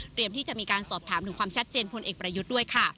ที่จะมีการสอบถามถึงความชัดเจนพลเอกประยุทธ์ด้วยค่ะ